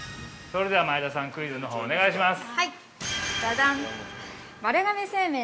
◆それでは、前田さんクイズのほう、お願いします。